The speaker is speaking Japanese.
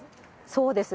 そうです。